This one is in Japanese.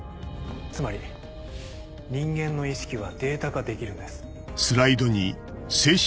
つまり人間の意識はデータ化できるんです。